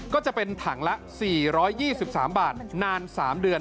ก็จะเป็นถังละ๔๒๓บาทนาน๓เดือน